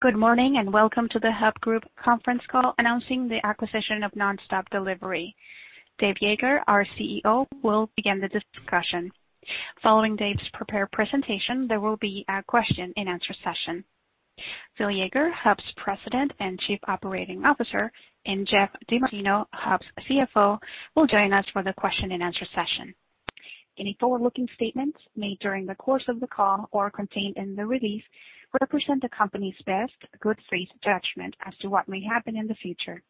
Good morning, and welcome to the Hub Group conference call announcing the acquisition of NonstopDelivery. Dave Yeager, our CEO, will begin the discussion. Following Dave's prepared presentation, there will be a question and answer session. Phil Yeager, Hub's President and Chief Operating Officer, and Geoff DeMartino, Hub's CFO, will join us for the question and answer session. Any forward-looking statements made during the course of the call or contained in the release represent the company's best good faith judgment as to what may happen in the future.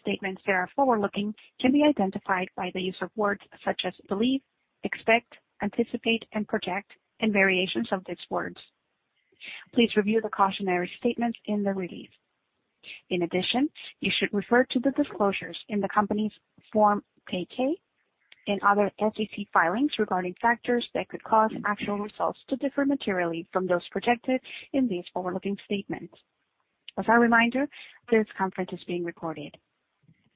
Statements that are forward-looking can be identified by the use of words such as "believe," "expect," "anticipate," and "project," and variations of these words. Please review the cautionary statements in the release. In addition, you should refer to the disclosures in the company's Form 10-K and other SEC filings regarding factors that could cause actual results to differ materially from those projected in these forward-looking statements. As a reminder, this conference is being recorded.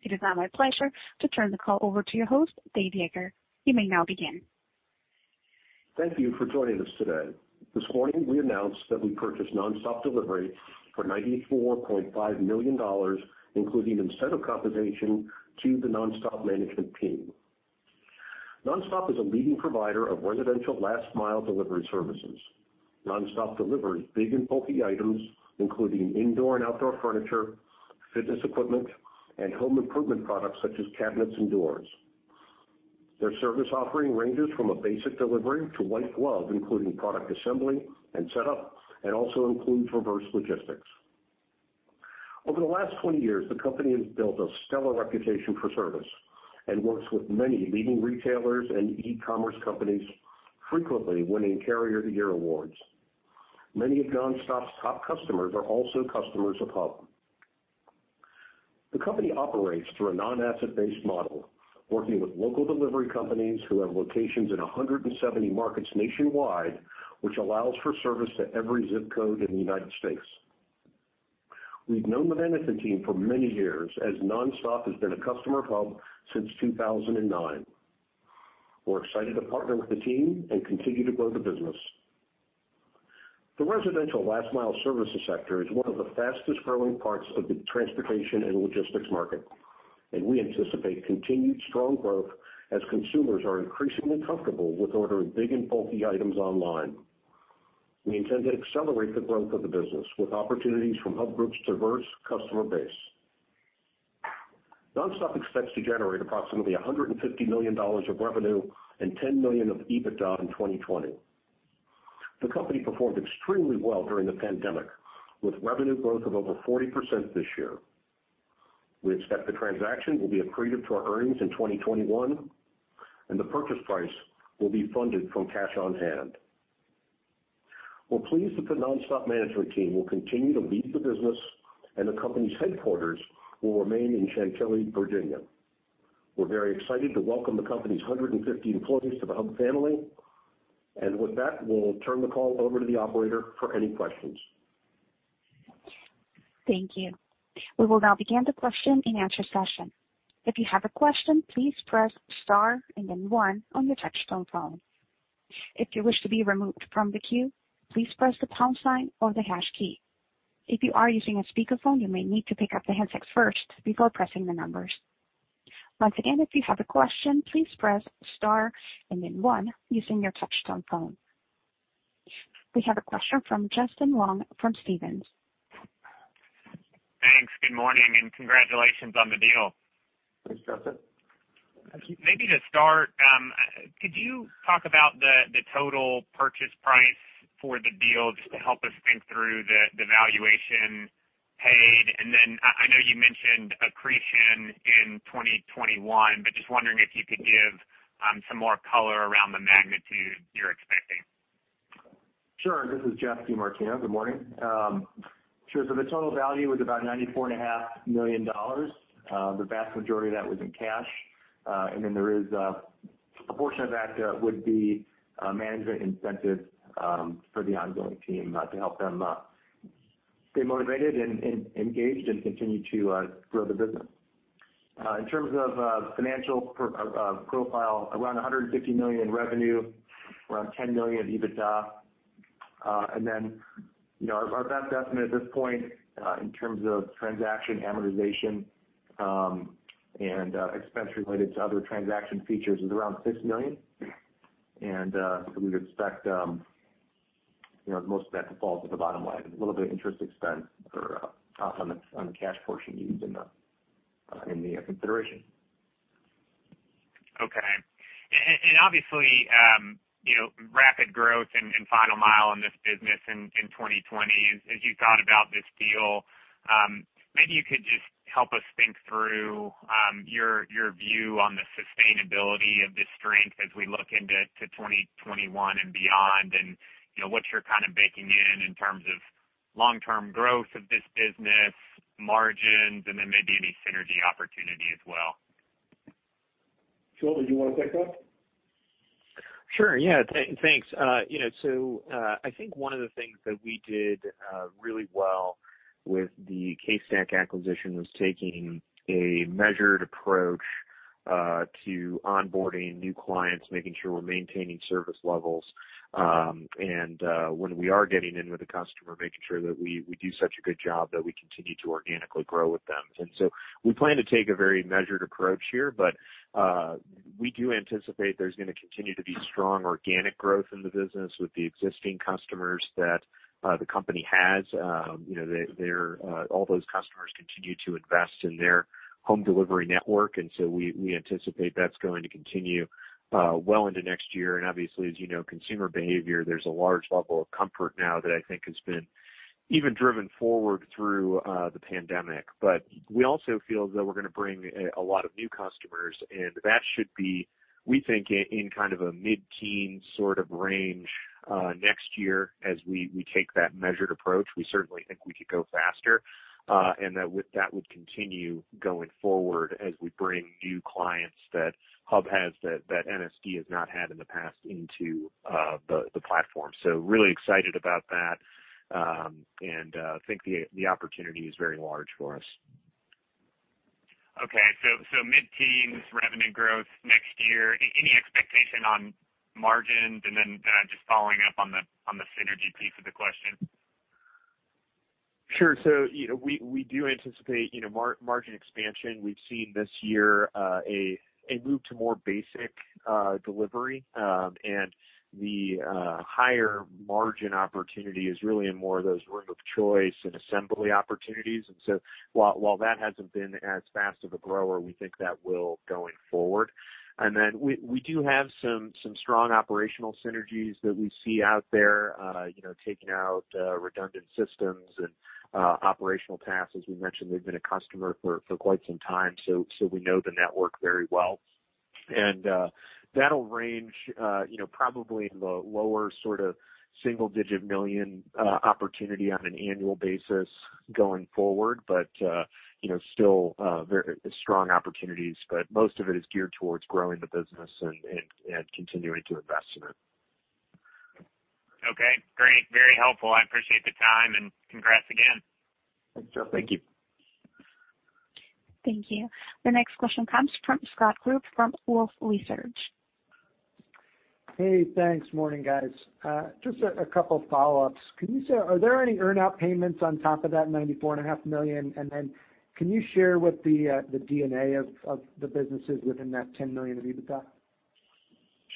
It is now my pleasure to turn the call over to your host, Dave Yeager. You may now begin. Thank you for joining us today. This morning, we announced that we purchased NonstopDelivery, LLC for $94.5 million, including incentive compensation to the Nonstop management team. Nonstop is a leading provider of residential last mile delivery services. Nonstop delivers big and bulky items, including indoor and outdoor furniture, fitness equipment, and home improvement products such as cabinets and doors. Their service offering ranges from a basic delivery to white glove, including product assembly and setup, and also includes reverse logistics. Over the last 20 years, the company has built a stellar reputation for service and works with many leading retailers and e-commerce companies, frequently winning Carrier of the Year awards. Many of Nonstop's top customers are also customers of Hub. The company operates through a non-asset-based model, working with local delivery companies who have locations in 170 markets nationwide, which allows for service to every ZIP code in the United States. We've known the management team for many years, as Nonstop has been a customer of Hub since 2009. We're excited to partner with the team and continue to grow the business. The residential last mile services sector is one of the fastest growing parts of the transportation and logistics market, and we anticipate continued strong growth as consumers are increasingly comfortable with ordering big and bulky items online. We intend to accelerate the growth of the business with opportunities from Hub Group's diverse customer base. Nonstop expects to generate approximately $150 million of revenue and $10 million of EBITDA in 2020. The company performed extremely well during the pandemic, with revenue growth of over 40% this year. We expect the transaction will be accretive to our earnings in 2021, and the purchase price will be funded from cash on hand. We're pleased that the Nonstop management team will continue to lead the business, and the company's headquarters will remain in Chantilly, Virginia. We're very excited to welcome the company's 150 employees to the Hub family. With that, we'll turn the call over to the operator for any questions. Thank you. We will now begin the question and answer session. If you have a question, please press star and then one on your touchtone phone. If you wish to be removed from the queue please press the pound sign or the hash key. If you are using a speaker phone you may need to pickup your handset before pressing the keys. Once again, if you have a question, please press star then one on your touchtone phone. We have a question from Justin Long from Stephens. Thanks. Good morning, and congratulations on the deal. Thanks, Justin. Thank you. Maybe to start, could you talk about the total purchase price for the deal, just to help us think through the valuation paid? I know you mentioned accretion in 2021, but just wondering if you could give some more color around the magnitude you're expecting. Sure. This is Geoff DeMartino. Good morning. Sure. The total value was about $94.5 million. The vast majority of that was in cash. There is a portion of that would be management incentive for the ongoing team to help them stay motivated and engaged and continue to grow the business. In terms of financial profile, around $150 million revenue, around $10 million EBITDA. Our best estimate at this point in terms of transaction amortization and expense related to other transaction features is around $6 million. We'd expect most of that to fall to the bottom line. A little bit of interest expense on the cash portion used in the consideration. Okay. Obviously, rapid growth in last mile in this business in 2020. As you thought about this deal, maybe you could just help us think through your view on the sustainability of this strength as we look into 2021 and beyond, and what you're kind of baking in in terms of long-term growth of this business, margins, and then maybe any synergy opportunity as well. Phil, did you want to take that? Sure. Yeah. Thanks. I think one of the things that we did really well with the CaseStack acquisition was taking a measured approach to onboarding new clients, making sure we're maintaining service levels. When we are getting in with a customer, making sure that we do such a good job that we continue to organically grow with them. We plan to take a very measured approach here, but we do anticipate there's going to continue to be strong organic growth in the business with the existing customers that the company has. All those customers continue to invest in their home delivery network, and so we anticipate that's going to continue well into next year. Obviously, as you know, consumer behavior, there's a large level of comfort now that I think has been even driven forward through the pandemic. We also feel that we're going to bring a lot of new customers, and that should be, we think, in a mid-teen range next year as we take that measured approach. We certainly think we could go faster, and that would continue going forward as we bring new clients that Hub has that NSD has not had in the past into the platform. Really excited about that, and think the opportunity is very large for us. Okay. Mid-teens revenue growth next year. Any expectation on margins? Just following up on the synergy piece of the question. Sure. We do anticipate margin expansion. We have seen this year a move to more basic delivery. The higher margin opportunity is really in more of those room of choice and assembly opportunities. While that hasn't been as fast of a grower, we think that will going forward. We do have some strong operational synergies that we see out there, taking out redundant systems and operational tasks. As we mentioned, they've been a customer for quite some time, so we know the network very well. That will range probably in the lower single-digit million opportunity on an annual basis going forward. Still very strong opportunities, but most of it is geared towards growing the business and continuing to invest in it. Okay, great. Very helpful. I appreciate the time, and congrats again. Thanks, Justin. Thank you. Thank you. The next question comes from Scott Group from Wolfe Research. Hey, thanks. Morning, guys. Just a couple follow-ups. Can you say, are there any earn-out payments on top of that $94.5 million? Can you share what the D&A of the businesses within that $10 million of EBITDA?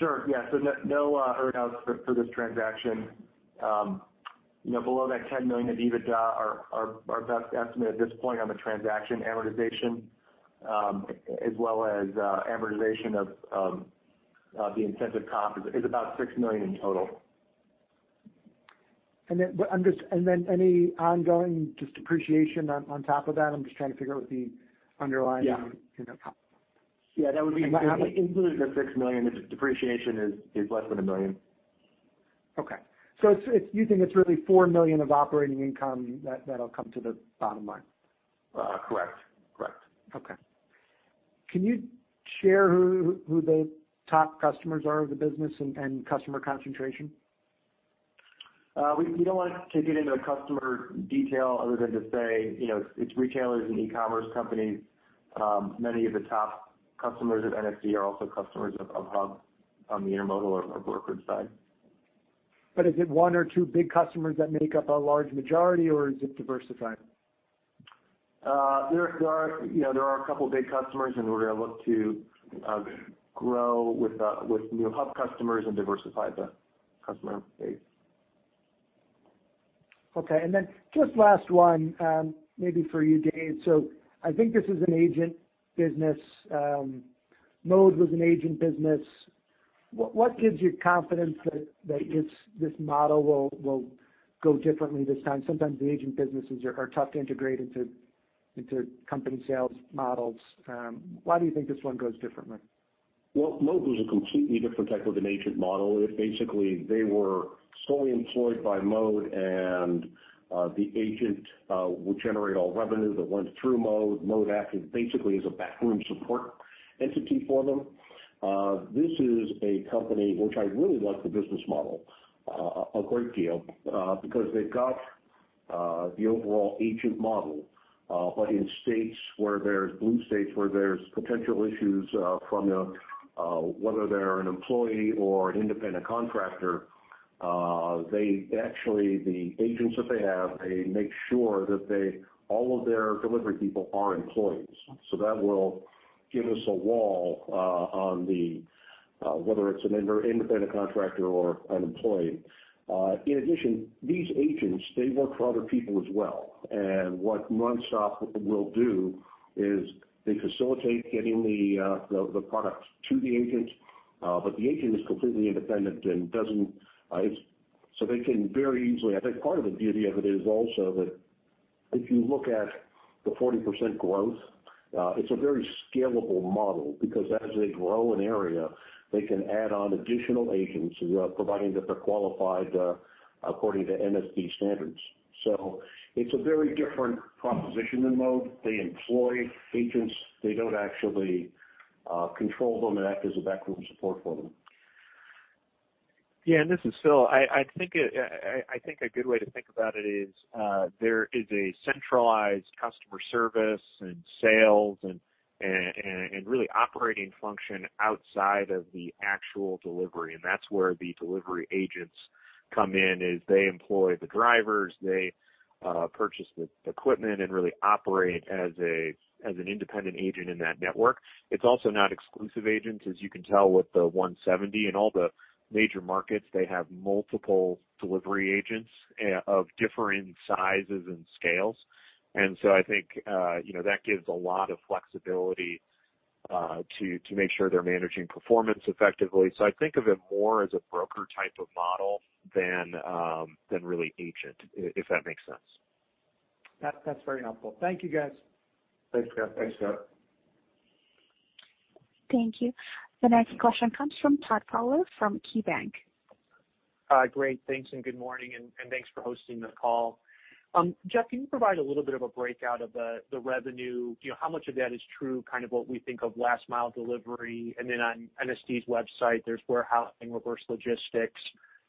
Sure, yeah. No earn-outs for this transaction. Below that $10 million of EBITDA, our best estimate at this point on the transaction amortization as well as amortization of the incentive comp is about $6 million in total. Any ongoing depreciation on top of that [inaudible] Yeah. Yeah, that would be included in the $6 million. The depreciation is less than a million. Okay. You think it's really $4 million of operating income that'll come to the bottom line? Correct. Okay. Can you share who the top customers are of the business and customer concentration? We don't want to get into the customer detail other than to say it's retailers and e-commerce companies. Many of the top customers of NSD are also customers of Hub on the intermodal or brokerage side. Is it one or two big customers that make up a large majority, or is it diversified? There are a couple big customers, and we're going to look to grow with new Hub customers and diversify the customer base. Just last one, maybe for you, Dave. I think this is an agent business. Mode was an agent business. What gives you confidence that this model will go differently this time? Sometimes the agent businesses are tough to integrate into company sales models. Why do you think this one goes differently? Well, Mode was a completely different type of an agent model. Basically, they were solely employed by Mode, and the agent would generate all revenue that went through Mode. Mode acted basically as a backroom support entity for them. This is a company which I really like the business model a great deal, because they've got the overall agent model. In blue states where there's potential issues from whether they're an employee or an independent contractor, actually, the agents that they have, they make sure that all of their delivery people are employees. That will give us a wall on whether it's an independent contractor or an employee. In addition, these agents, they work for other people as well. What NonstopDelivery will do is they facilitate getting the products to the agent. The agent is completely independent. I think part of the beauty of it is also that if you look at the 40% growth, it's a very scalable model, because as they grow an area, they can add on additional agents, providing that they're qualified according to NSD standards. It's a very different proposition than Mode. They employ agents. They don't actually control them and act as a backroom support for them. This is Phil. I think a good way to think about it is there is a centralized customer service and sales and really operating function outside of the actual delivery, and that's where the delivery agents come in, is they employ the drivers, they purchase the equipment and really operate as an independent agent in that network. It's also not exclusive agents, as you can tell with the 170 in all the major markets, they have multiple delivery agents of differing sizes and scales. I think that gives a lot of flexibility to make sure they're managing performance effectively. I think of it more as a brokerage type of model than really agent, if that makes sense. That's very helpful. Thank you, guys. Thanks, Scott. Thanks, Scott. Thank you. The next question comes from Todd Fowler from KeyBanc. Great. Thanks, and good morning, and thanks for hosting the call. Geoff, can you provide a little bit of a breakout of the revenue? How much of that is true, kind of what we think of last mile delivery, and then on NSD's website, there's warehouse and reverse logistics.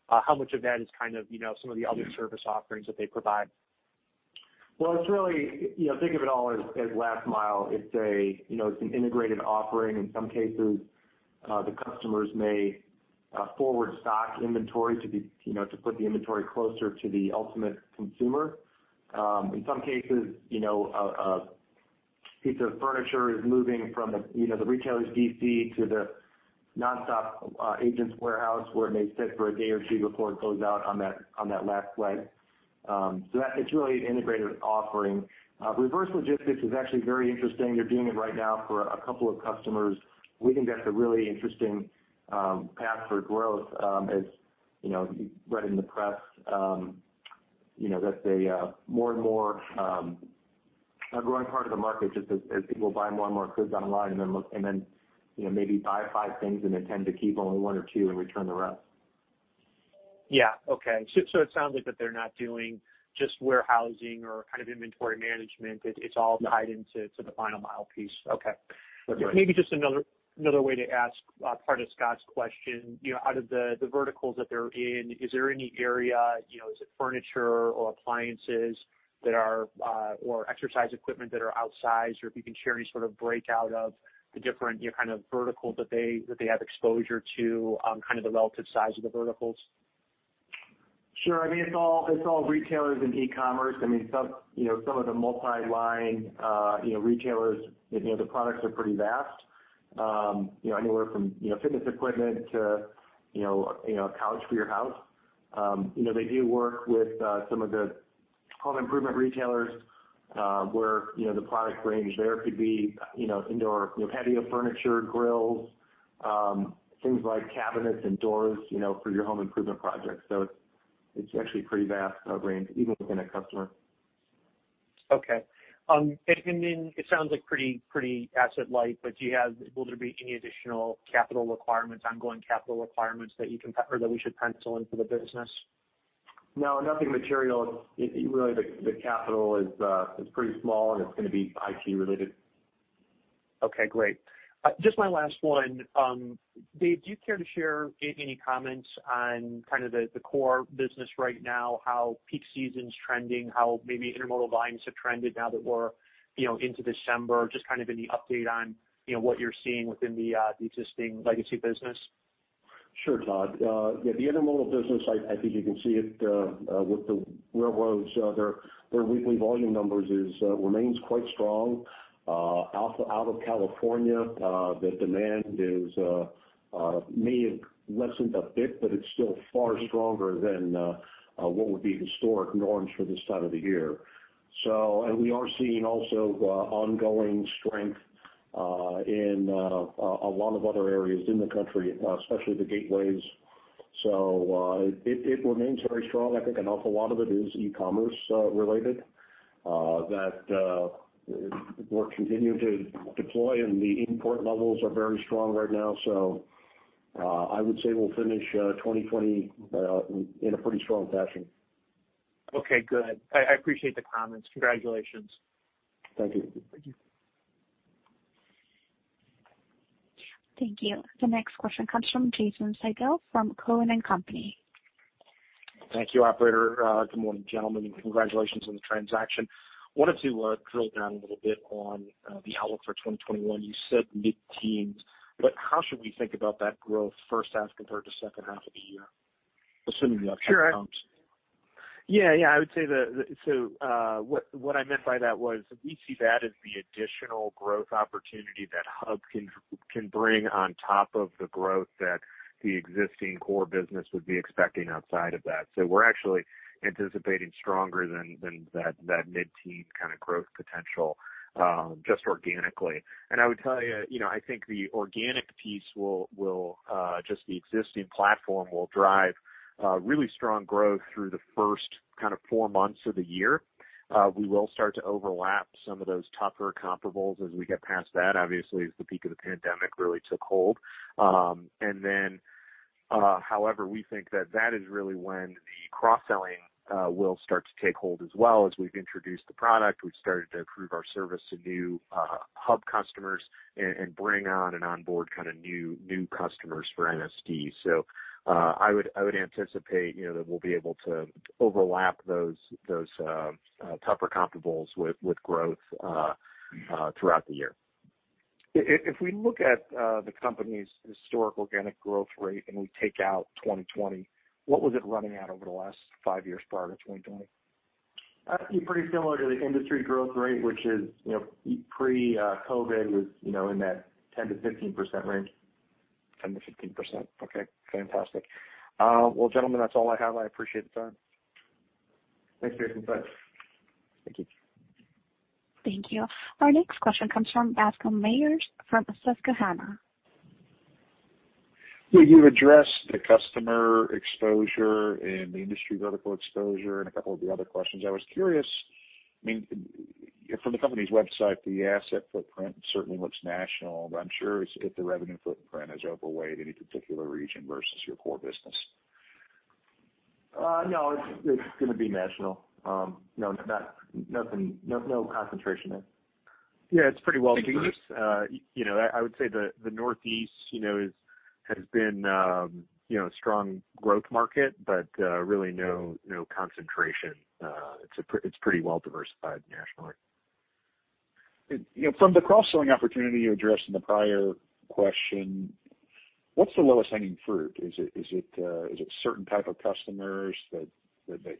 How much of that is kind of some of the other service offerings that they provide? Think of it all as last mile. It's an integrated offering. In some cases, the customers may forward stock inventory to put the inventory closer to the ultimate consumer. In some cases, a piece of furniture is moving from the retailer's DC to the Nonstop Agents warehouse, where it may sit for a day or two before it goes out on that last leg. It's really an integrated offering. Reverse logistics is actually very interesting. They're doing it right now for a couple of customers. We think that's a really interesting path for growth. As you read in the press that's a more and more growing part of the market, just as people buy more and more goods online and then maybe buy five things and they tend to keep only one or two and return the rest. Yeah. Okay. It sounds like that they're not doing just warehousing or kind of inventory management. It's all tied into the final mile piece. Okay. That's right. Maybe just another way to ask part of Scott's question, out of the verticals that they're in, is there any area, is it furniture or appliances or exercise equipment that are outsized? If you can share any sort of breakout of the different kind of verticals that they have exposure to, kind of the relative size of the verticals. Sure. I mean, it's all retailers and e-commerce. I mean, some of the multi-line retailers, the products are pretty vast. Anywhere from fitness equipment to a couch for your house. They do work with some of the home improvement retailers, where the product range there could be indoor patio furniture, grills, things like cabinets and doors for your home improvement projects. It's actually a pretty vast range, even within a customer. Okay. It sounds like pretty asset light, but will there be any additional capital requirements, ongoing capital requirements that we should pencil in for the business? No, nothing material. Really, the capital is pretty small, and it's going to be IT related. Okay, great. Just my last one. Dave, do you care to share any comments on kind of the core business right now, how peak season's trending, how maybe intermodal volumes have trended now that we're into December? Just kind of any update on what you're seeing within the existing legacy business. Sure, Todd. Yeah, the intermodal business, I think you can see it with the railroads. Their weekly volume numbers remains quite strong. Out of California, the demand may have lessened a bit, but it's still far stronger than what would be the historic norms for this time of the year. We are seeing also ongoing strength in a lot of other areas in the country, especially the gateways. It remains very strong. I think an awful lot of it is e-commerce related that we're continuing to deploy, and the import levels are very strong right now. I would say we'll finish 2020 in a pretty strong fashion. Okay, good. I appreciate the comments. Congratulations. Thank you. Thank you. Thank you. The next question comes from Jason Seidl from Cowen and Company. Thank you, operator. Good morning, gentlemen, and congratulations on the transaction. Wanted to drill down a little bit on the outlook for 2021. You said mid-teens, but how should we think about that growth first half compared to second half of the year, assuming the uptick comes? Sure. Yeah. I would say that, so what I meant by that was we see that as the additional growth opportunity that Hub can bring on top of the growth that the existing core business would be expecting outside of that. We're actually anticipating stronger than that mid-teen kind of growth potential, just organically. I would tell you, I think the organic piece will, just the existing platform will drive really strong growth through the first kind of four months of the year. We will start to overlap some of those tougher comparables as we get past that, obviously, as the peak of the pandemic really took hold. However, we think that that is really when the cross-selling will start to take hold as well. As we've introduced the product, we've started to prove our service to new Hub customers and bring on and onboard new customers for NSD. I would anticipate that we'll be able to overlap those tougher comparables with growth throughout the year. If we look at the company's historical organic growth rate, and we take out 2020, what was it running at over the last five years prior to 2020? I'd be pretty similar to the industry growth rate, which pre-COVID was in that 10%-15% range. 10%-15%. Okay, fantastic. Well, gentlemen, that's all I have. I appreciate the time. Thanks, Jason. Bye. Thank you. Thank you. Our next question comes from Bascome Majors from Susquehanna. You addressed the customer exposure and the industry vertical exposure in a couple of the other questions. I was curious, from the company's website, the asset footprint certainly looks national, but I'm sure if the revenue footprint is overweight in any particular region versus your core business. No, it's going to be national. No concentration there. Yeah, it's pretty well- Thanks. I would say the Northeast has been a strong growth market, but really no concentration. It's pretty well diversified nationally. From the cross-selling opportunity you addressed in the prior question, what's the lowest hanging fruit? Is it certain type of customers that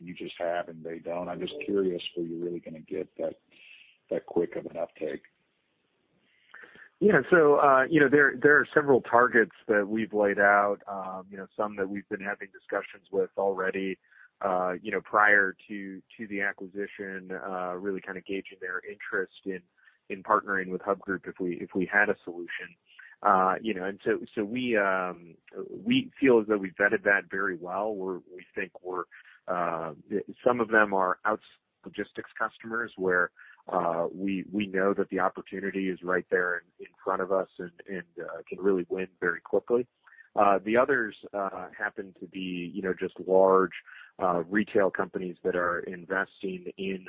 you just have and they don't? I'm just curious where you're really going to get that quick of an uptake. Yeah. There are several targets that we've laid out. Some that we've been having discussions with already prior to the acquisition, really gauging their interest in partnering with Hub Group if we had a solution. We feel as though we've vetted that very well. Some of them are our logistics customers where we know that the opportunity is right there in front of us and can really win very quickly. The others happen to be just large retail companies that are investing in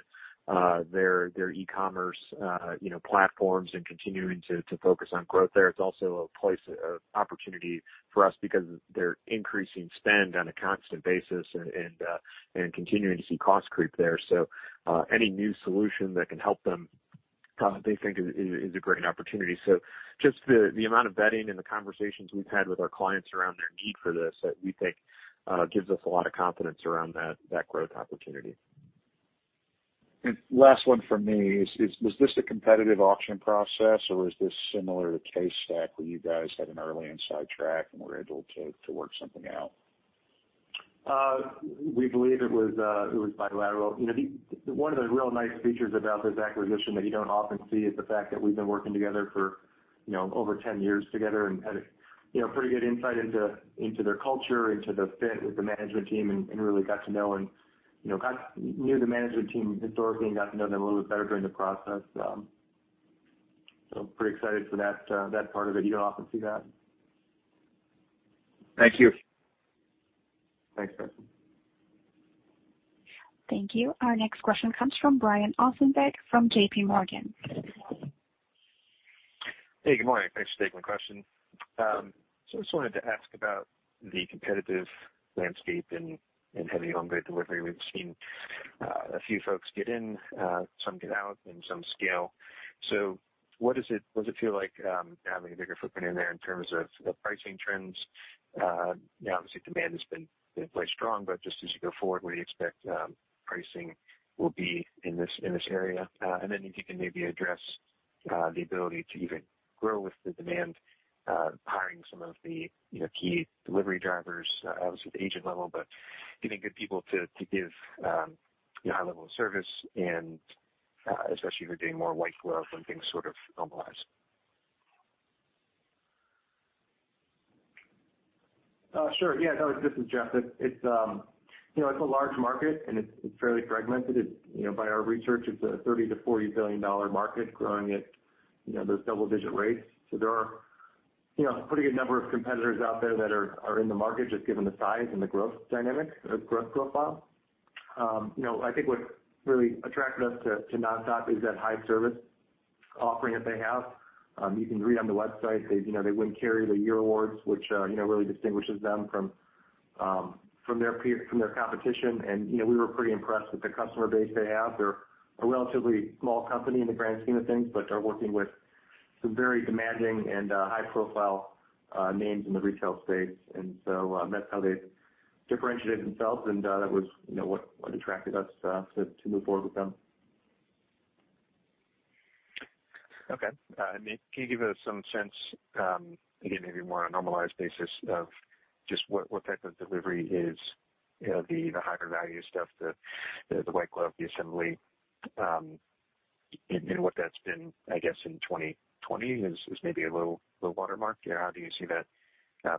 their e-commerce platforms and continuing to focus on growth there. It's also a place of opportunity for us because they're increasing spend on a constant basis and continuing to see cost creep there. Any new solution that can help them, they think is a great opportunity. Just the amount of vetting and the conversations we've had with our clients around their need for this, we think gives us a lot of confidence around that growth opportunity. Last one from me. Was this a competitive auction process, or was this similar to CaseStack, where you guys had an early inside track and were able to work something out? We believe it was bilateral. One of the real nice features about this acquisition that you don't often see is the fact that we've been working together for over 10 years together and had pretty good insight into their culture, into the fit with the management team, and really got to know and knew the management team historically, and got to know them a little bit better during the process. Pretty excited for that part of it. You don't often see that. Thank you. Thanks, Bascome. Thank you. Our next question comes from Brian Ossenbeck from JPMorgan. Hey, good morning. Thanks for taking the question. Just wanted to ask about the competitive landscape in heavy home good delivery. We've seen a few folks get in, some get out, and some scale. What does it feel like having a bigger footprint in there in terms of pricing trends? Obviously, demand has been very strong, but just as you go forward, where do you expect pricing will be in this area? Then if you can maybe address the ability to even grow with the demand, hiring some of the key delivery drivers, obviously at the agent level, but getting good people to give high level of service and especially if you're doing more white glove when things normalize. Sure. Yeah. No, this is Geoff. It's a large market, it's fairly fragmented. By our research, it's a $30 billion-$40 billion market growing at those double-digit rates. There are a pretty good number of competitors out there that are in the market, just given the size and the growth dynamics, the growth profile. I think what really attracted us to NonstopDelivery is that high service offering that they have. You can read on the website, they win Carrier of the Year awards, which really distinguishes them from their competition. We were pretty impressed with the customer base they have. They're a relatively small company in the grand scheme of things, but are working with some very demanding and high-profile names in the retail space. That's how they differentiate themselves, and that was what attracted us to move forward with them. Okay. Can you give us some sense, again, maybe more on a normalized basis of just what type of delivery is the higher value stuff, the white glove, the assembly, and what that's been, I guess, in 2020 is maybe a little watermark. How do you see that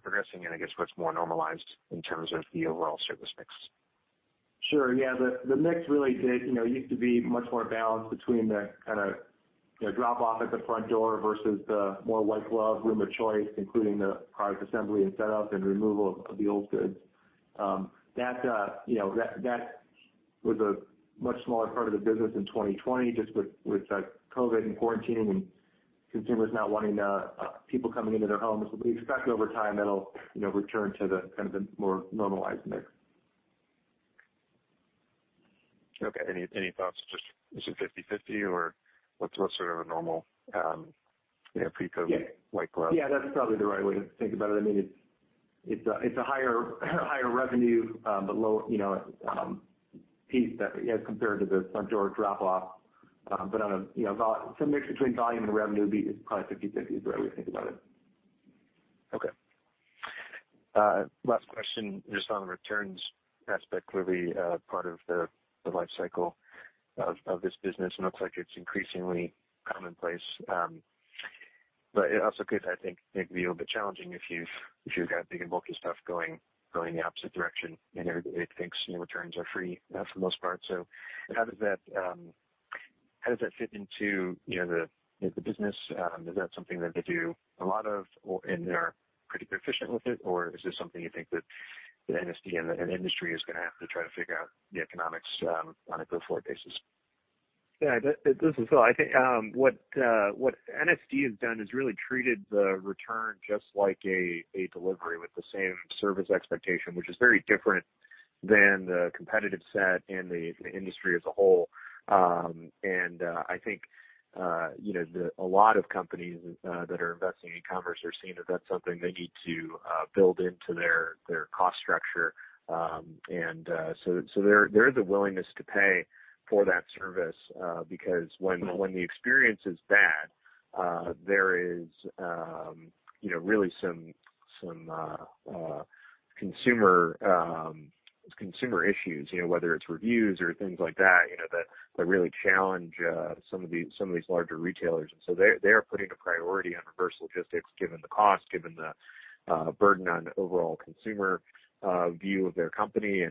progressing, and I guess what's more normalized in terms of the overall service mix? Sure. Yeah, the mix really did used to be much more balanced between the kind of drop-off at the front door versus the more white glove room of choice, including the product assembly and setup and removal of the old goods. That was a much smaller part of the business in 2020, just with COVID and quarantining and consumers not wanting people coming into their homes. We expect over time, that'll return to the kind of more normalized mix. Okay, any thoughts? Just is it 50/50 or what's sort of a normal pre-COVID white glove? Yeah, that's probably the right way to think about it. It's a higher revenue, but low piece that compared to the front door drop off. Some mix between volume and revenue is probably 50/50, is the way we think about it. Okay. Last question, just on the returns aspect, clearly part of the life cycle of this business. Looks like it's increasingly commonplace. It also could, I think, maybe be a little bit challenging if you've got big and bulky stuff going the opposite direction, and everybody thinks returns are free for the most part. How does that fit into the business? Is that something that they do a lot of and they're pretty proficient with it, or is this something you think that NSD and the industry is going to have to try to figure out the economics on a go forward basis? Yeah. This is Phil. I think what NSD has done is really treated the return just like a delivery with the same service expectation, which is very different than the competitive set and the industry as a whole. I think a lot of companies that are investing in e-commerce are seeing that that's something they need to build into their cost structure. There is a willingness to pay for that service because when the experience is bad, there is really some consumer issues, whether it's reviews or things like that really challenge some of these larger retailers. They are putting a priority on reverse logistics, given the cost, given the burden on overall consumer view of their company.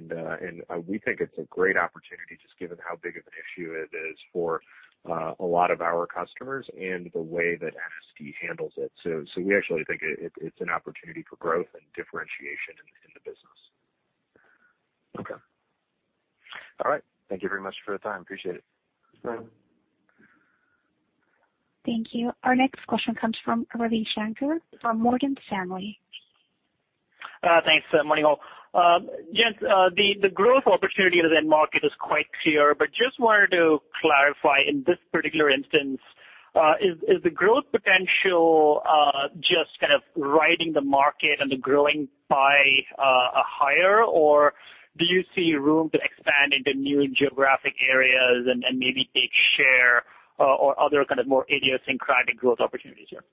We think it's a great opportunity, just given how big of an issue it is for a lot of our customers and the way that NSD handles it. We actually think it's an opportunity for growth and differentiation in the business. Okay. All right. Thank you very much for the time. Appreciate it. Sure. Thank you. Our next question comes from Ravi Shanker from Morgan Stanley. Thanks, morning all. Gents, the growth opportunity of the end market is quite clear, but just wanted to clarify in this particular instance, is the growth potential just kind of riding the market and the growing pie higher, or do you see room to expand into new geographic areas and maybe take share or other kind of more idiosyncratic growth opportunities here?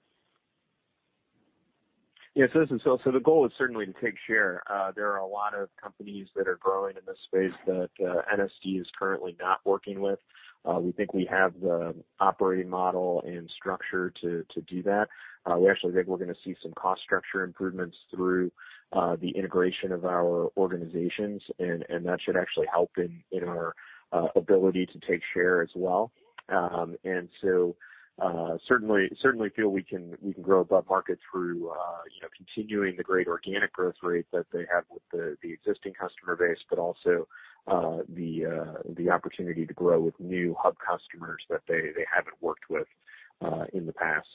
Yes. This is Phil. The goal is certainly to take share. There are a lot of companies that are growing in this space that NSD is currently not working with. We think we have the operating model and structure to do that. We actually think we're going to see some cost structure improvements through the integration of our organizations, and that should actually help in our ability to take share as well. Certainly feel we can grow above market through continuing the great organic growth rate that they have with the existing customer base, but also the opportunity to grow with new Hub customers that they haven't worked with in the past.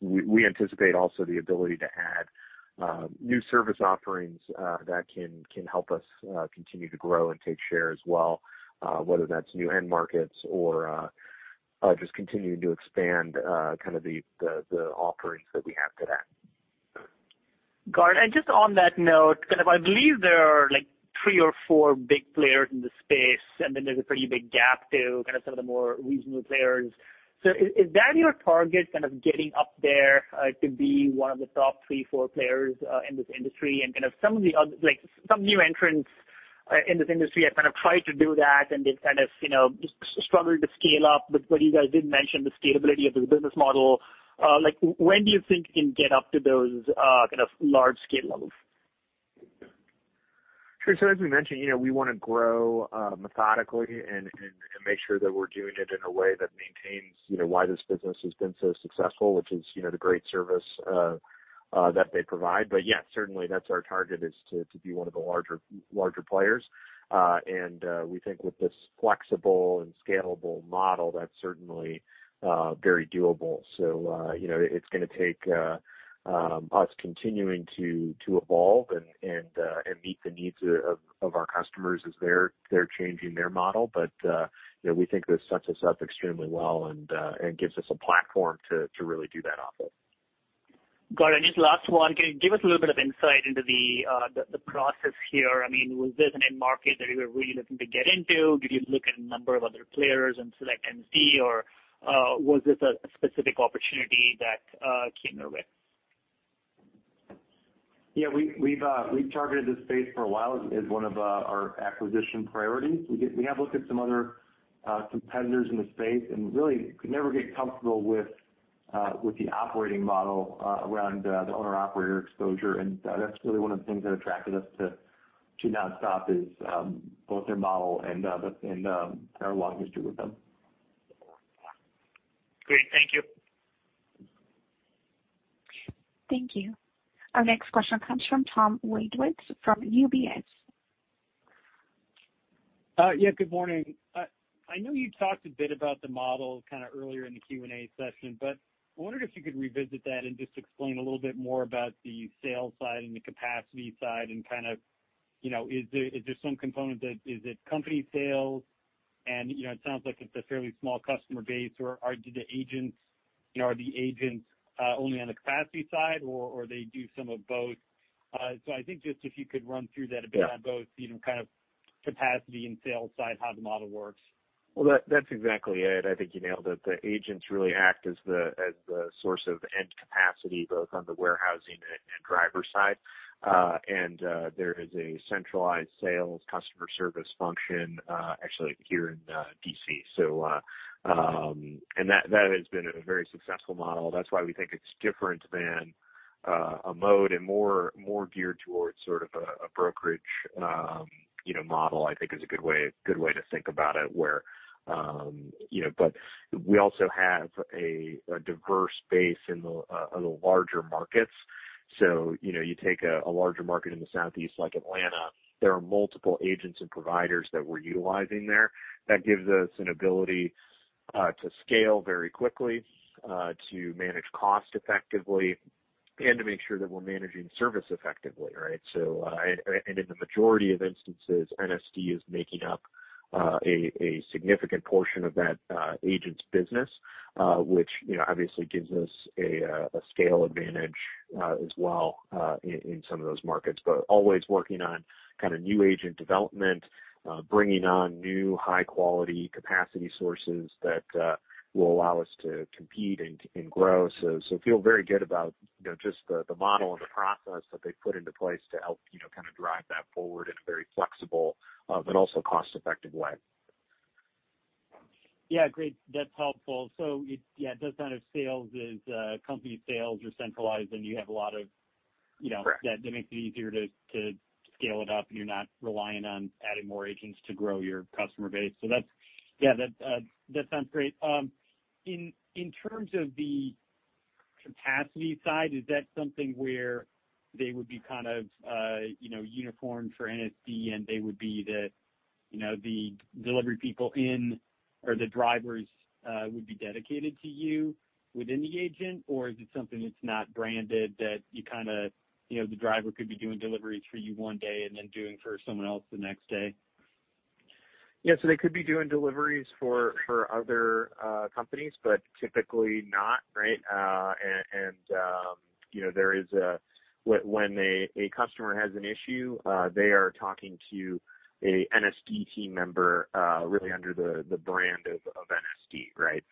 We anticipate also the ability to add new service offerings that can help us continue to grow and take share as well, whether that's new end markets or just continuing to expand kind of the offerings that we have today. Got it. Just on that note, kind of, I believe there are like three or four big players in the space, and then there's a pretty big gap to kind of some of the more regional players. Is that your target kind of getting up there to be one of the top three, four players in this industry and kind of some of the other, like some new entrants in this industry have kind of tried to do that and they've kind of struggled to scale up. You guys did mention the scalability of this business model. Like when do you think you can get up to those kind of large scale levels? Sure. As we mentioned, we want to grow methodically and make sure that we're doing it in a way that maintains why this business has been so successful, which is the great service that they provide. Yeah, certainly that's our target is to be one of the larger players. We think with this flexible and scalable model, that's certainly very doable. It's going to take us continuing to evolve and meet the needs of our customers as they're changing their model. We think this sets us up extremely well and gives us a platform to really do that off of. Got it. Just last one. Can you give us a little bit of insight into the process here? I mean, was this an end market that you were really looking to get into? Did you look at a number of other players and select NSD, or was this a specific opportunity that came your way? Yeah. We've targeted this space for a while as one of our acquisition priorities. We have looked at some other competitors in the space and really could never get comfortable with. With the operating model around the owner-operator exposure. That's really one of the things that attracted us to Nonstop is both their model and our long history with them. Great. Thank you. Thank you. Our next question comes from Tom Wadewitz from UBS. Yeah, good morning. I know you talked a bit about the model kind of earlier in the Q&A session, but I wondered if you could revisit that and just explain a little bit more about the sales side and the capacity side and is there some component that, is it company sales? It sounds like it's a fairly small customer base, or are the agents only on the capacity side, or they do some of both? I think just if you could run through that a bit. Yeah on both, kind of capacity and sales side, how the model works. Well, that's exactly it. I think you nailed it. The agents really act as the source of end capacity, both on the warehousing and driver side. There is a centralized sales customer service function actually here in D.C. That has been a very successful model. That's why we think it's different than a Mode and more geared towards sort of a brokerage model, I think is a good way to think about it. We also have a diverse base in the larger markets. You take a larger market in the Southeast, like Atlanta, there are multiple agents and providers that we're utilizing there. That gives us an ability to scale very quickly, to manage cost effectively, and to make sure that we're managing service effectively, right? In the majority of instances, NSD is making up a significant portion of that agent's business, which obviously gives us a scale advantage as well, in some of those markets. Always working on kind of new agent development, bringing on new high-quality capacity sources that will allow us to compete and grow. Feel very good about just the model and the process that they've put into place to help kind of drive that forward in a very flexible, but also cost-effective way. Yeah, great. That's helpful. Yeah, it does sound like sales is company sales or centralized, and you have a lot of- Correct. That makes it easier to scale it up, and you're not reliant on adding more agents to grow your customer base. That's, yeah, that sounds great. In terms of the capacity side, is that something where they would be kind of uniform for NSD, and they would be the delivery people in, or the drivers would be dedicated to you within the agent? Or is it something that's not branded, that the driver could be doing deliveries for you one day and then doing for someone else the next day? They could be doing deliveries for other companies, but typically not, right? When a customer has an issue, they are talking to a NSD team member really under the brand of NSD, right?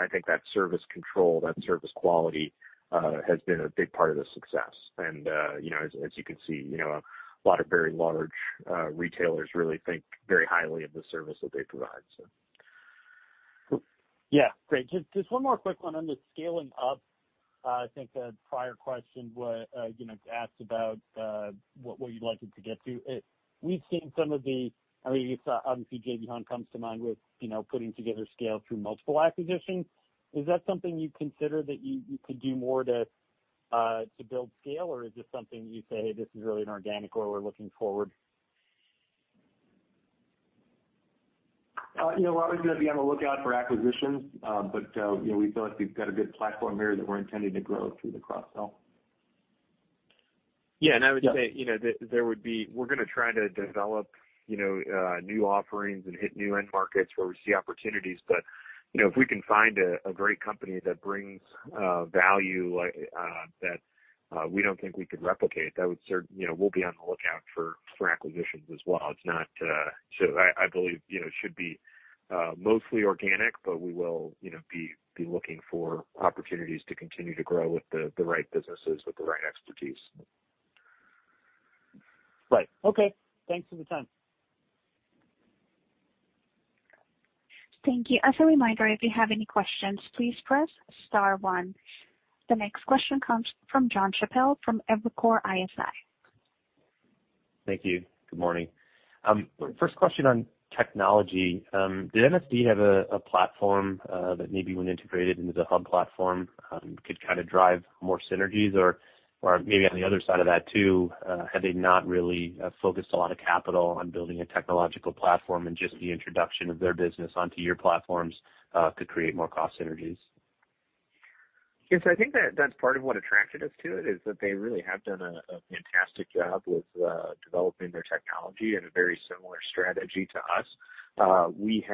I think that service control, that service quality, has been a big part of the success. As you can see, a lot of very large retailers really think very highly of the service that they provide. Yeah. Great. Just one more quick one on the scaling up. I think a prior question asked about where you'd like it to get to. We've seen some of the. Obviously, J.B. Hunt comes to mind with putting together scale through multiple acquisitions. Is that something you'd consider that you could do more to build scale, or is this something that you say, "Hey, this is really an organic where we're looking forward?" We're always going to be on the lookout for acquisitions. We feel like we've got a good platform here that we're intending to grow through the cross-sell. I would say that we're going to try to develop new offerings and hit new end markets where we see opportunities. If we can find a great company that brings value that we don't think we could replicate, we'll be on the lookout for acquisitions as well. I believe it should be mostly organic, but we will be looking for opportunities to continue to grow with the right businesses, with the right expertise. Right. Okay. Thanks for the time. Thank you. As a reminder, if you have any questions, please press star one. The next question comes from Jon Chappell from Evercore ISI. Thank you. Good morning. First question on technology. Did NSD have a platform that maybe when integrated into the Hub platform could kind of drive more synergies? Maybe on the other side of that, too, have they not really focused a lot of capital on building a technological platform and just the introduction of their business onto your platforms could create more cost synergies? Yeah, I think that's part of what attracted us to it is that they really have done a fantastic job with developing their technology and a very similar strategy to us. We've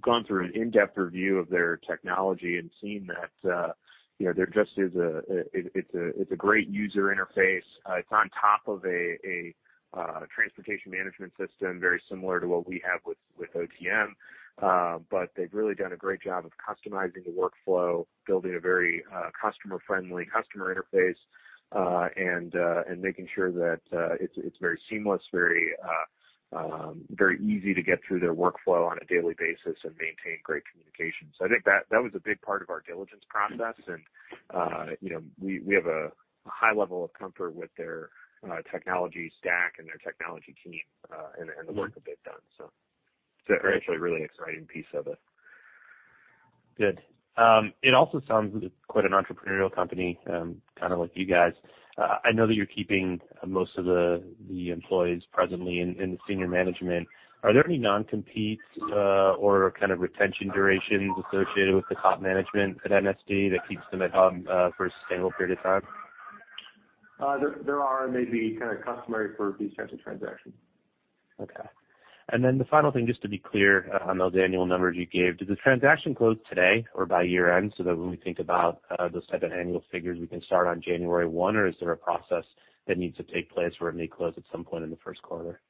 gone through an in-depth review of their technology and seen that it's a great user interface. It's on top of a transportation management system, very similar to what we have with OTM. They've really done a great job of customizing the workflow, building a very customer-friendly customer interface, and making sure that it's very seamless, very easy to get through their workflow on a daily basis and maintain great communication. I think that was a big part of our diligence process, and we have a high level of comfort with their technology stack and their technology team, and the work that they have done. It's actually a really exciting piece of it. Good. It also sounds quite an entrepreneurial company, kind of like you guys. I know that you're keeping most of the employees presently in the senior management. Are there any non-competes or kind of retention durations associated with the top management at NSD that keeps them at Hub for a sustainable period of time? There are, maybe kind of customary for these types of transactions. Okay. The final thing, just to be clear on those annual numbers you gave. Does the transaction close today or by year-end, so that when we think about those type of annual figures, we can start on January 1, or is there a process that needs to take place where it may close at some point in the first quarter?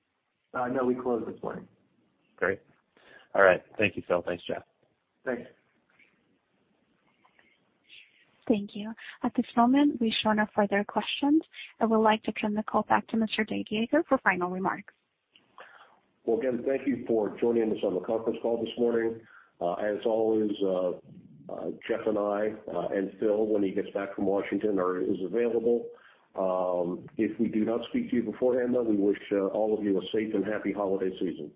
No, we close this morning. Great. All right. Thank you, Phil. Thanks, Geoff. Thanks. Thank you. At this moment, we show no further questions. I would like to turn the call back to Mr. Yeager for final remarks. Well, again, thank you for joining us on the conference call this morning. As always, Geoff and I, and Phil, when he gets back from Washington, are as available. If we do not speak to you beforehand, though, we wish all of you a safe and happy holiday season.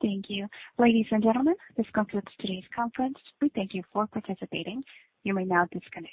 Thank you. Ladies and gentlemen, this concludes today's conference. We thank you for participating. You may now disconnect.